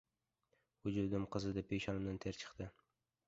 Vujudim qizidi, peshonamdan ter chiqdi.